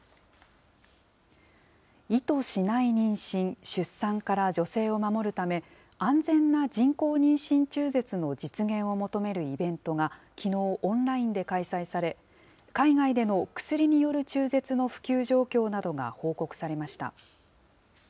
意図しない妊娠、出産から女性を守るため、安全な人工妊娠中絶の実現を求めるイベントが、きのう、オンラインで開催され、海外での薬による中絶の普及状況などが報告されました。